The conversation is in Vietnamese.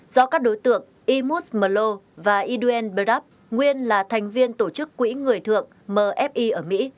do các đối tượng imus mello và edwin burdap nguyên là thành viên tổ chức quỹ người thượng mfi ở mỹ